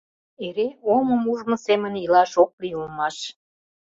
Эре омым ужмо семын илаш ок лий улмаш.